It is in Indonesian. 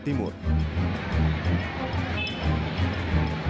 untuk menerima bantuan yang tersebut